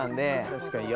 確かに。